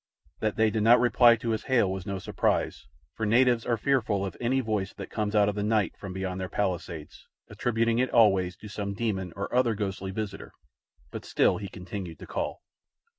That they did not reply to his hail was no surprise, for natives are fearful of any voice that comes out of the night from beyond their palisades, attributing it always to some demon or other ghostly visitor; but still he continued to call.